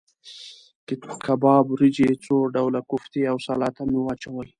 کباب، وریجې، څو ډوله کوفتې او سلاته مې واچول.